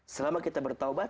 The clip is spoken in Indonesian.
selama kita bertaubat